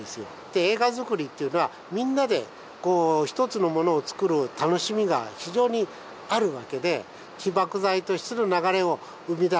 映画作りっていうのはみんなで一つのものを作る楽しみが非常にあるわけで起爆剤としての流れを生み出す。